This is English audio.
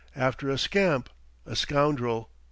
After a scamp, a scoundrel.